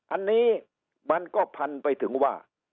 อันนี้มันก็พันไปถึงว่า